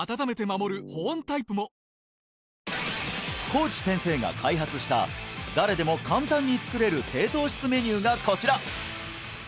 小内先生が開発した誰でも簡単に作れる低糖質メニューがこちら！